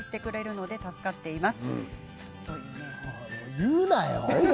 言うなよ。